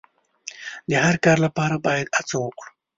د هر کار لپاره باید هڅه وکړو.